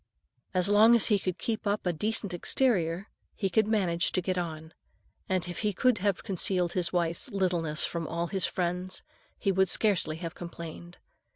As long as he could keep up a decent exterior, he could manage to get on; and if he could have concealed his wife's littleness from all his friends, he would scarcely have complained.